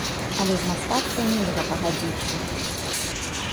Але з мастачкай нельга пагадзіцца.